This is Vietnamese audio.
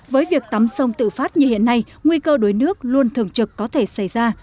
với việc tắm sông tự phát như hiện nay nguy cơ đuối nước luôn thường trực có thể xảy ra